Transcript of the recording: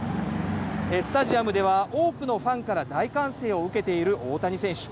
スタジアムでは多くのファンから大歓声を受けている大谷選手。